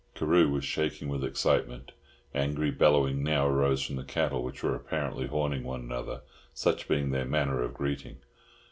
Carew was shaking with excitement. Angry bellowing now arose from the cattle, which were apparently horning one another—such being their manner of greeting.